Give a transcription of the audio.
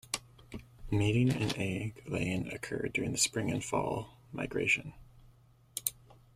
Mating and egg laying occur during the spring and fall migration.